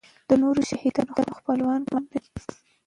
د نورو شهیدانو خپلوان معلوم نه دي.